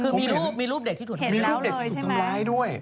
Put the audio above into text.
คือมีรูปเด็กที่ถูกทำร้าย